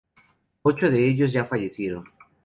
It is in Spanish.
Ocho de ellos ya fallecieron.